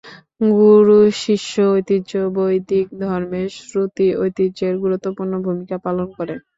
গুরু-শিষ্য ঐতিহ্য বৈদিক ধর্মের শ্রুতি ঐতিহ্যের গুরুত্বপূর্ণ ভূমিকা পালন করে।